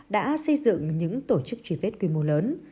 đã xây dựng những tổ chức truy vết quy mô lớn